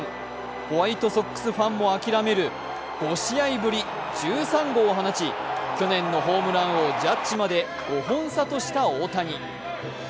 ホワイトソックスファンも諦める５試合ぶり、１３号を放ち、去年のホームラン王・ジャッジまで５本差とした大谷。